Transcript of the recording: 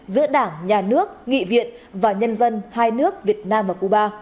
giữa đảng nhà nước nghị viện và nhân dân hai nước việt nam và cuba